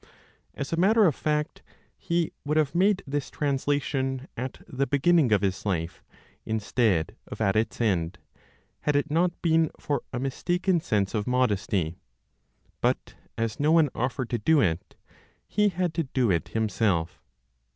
As a matter of fact, he would have made this translation at the beginning of his life, instead of at its end, had it not been for a mistaken sense of modesty; but as no one offered to do it, he had to do it himself.